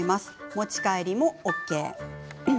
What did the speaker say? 持ち帰りもＯＫ。